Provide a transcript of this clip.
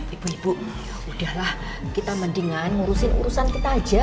ibu ibu udahlah kita mendingan ngurusin urusan kita aja